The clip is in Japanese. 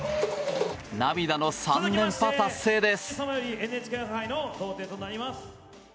涙の３連覇達成です。